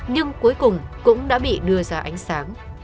nhưng cuối cùng cũng đã bị đưa ra ánh sáng